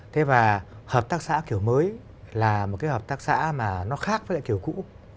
thế và hợp tác xã kiểu mới là một cái hợp tác xã mà nó khác với lại kiểu cũ